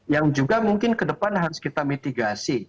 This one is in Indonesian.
yang juga mungkin ke depan harus kita mitigasi